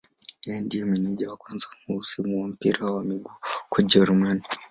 Yeye ndiye meneja wa kwanza mweusi wa mpira wa miguu huko Ujerumani.